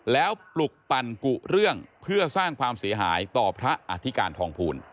แล้วปลุกปั่นกุเรื่องเพื่อสร้างความเสียหายต่อพระอธิการทองภูล